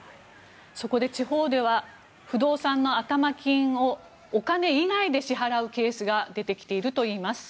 そこで地方では不動産の頭金をお金以外で支払うケースが出てきているといいます。